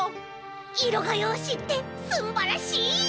いろがようしってすんばらしい！